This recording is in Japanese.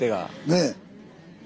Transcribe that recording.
ねえ。